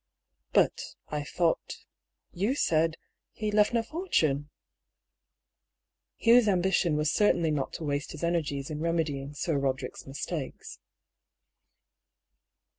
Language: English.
" But — I thought — you said — ^he left no fortune ?" Hugh's ambition was certainly not to waste his energies in remedying Sir Roderick's mistakes.